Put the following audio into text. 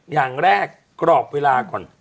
อย่างแรกกรอบเวลาก่อน